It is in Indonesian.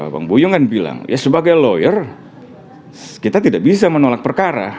bang boyo kan bilang ya sebagai lawyer kita tidak bisa menolak perkara